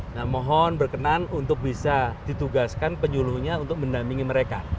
nah mohon berkenan untuk bisa ditugaskan penyuluhnya untuk mendampingi mereka